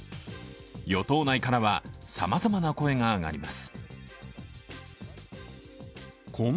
与党内からはさまざまな声が上がります。